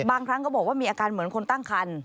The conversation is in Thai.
บางครั้งก็บอกว่ามีอาการเหมือนคนตั้งคัน